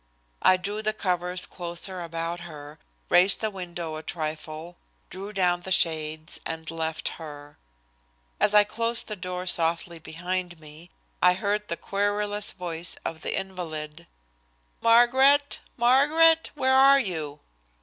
I drew the covers closer about her, raised the window a trifle, drew down the shades, and left her. As I closed the door softly behind me, I heard the querulous voice of the invalid: "Margaret! Margaret! Where are you?"